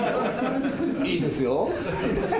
いいですよ。